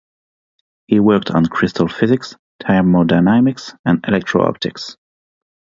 He worked on crystal physics, thermodynamics and electro-optics.